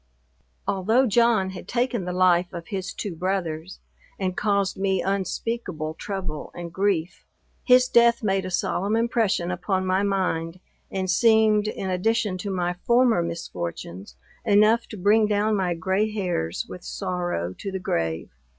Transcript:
Although John had taken the life of his two brothers, and caused me unspeakable trouble and grief, his death made a solemn impression upon my mind, and seemed, in addition to my former misfortunes, enough to bring down my grey hairs with sorrow to the grave.